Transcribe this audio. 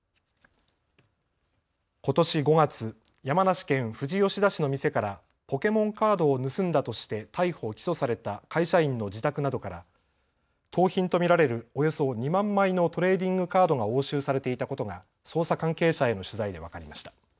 ことし５月、山梨県富士吉田市の店からポケモンカードを盗んだとして逮捕・起訴された会社員の自宅などから盗品と見られるおよそ２万枚のトレーディングカードが押収されていたことが捜査関係者への取材で分かりました。